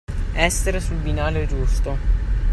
Essere sul binario giusto.